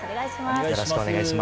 よろしくお願いします。